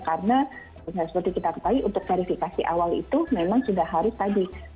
karena seperti kita ketahui untuk verifikasi awal itu memang sudah hari tadi